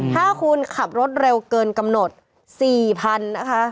ถ้าคุณขับรถเร็วเกินกำหนด๔๐๐๐นะคะ